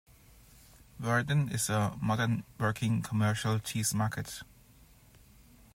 Woerden is a modern working commercial cheese market.